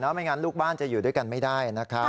ไม่งั้นลูกบ้านจะอยู่ด้วยกันไม่ได้นะครับ